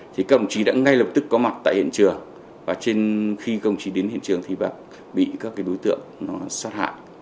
thì các đồng chí đã ngay lập tức có mặt tại hiện trường và khi công chí đến hiện trường thì bị các đối tượng nó sát hại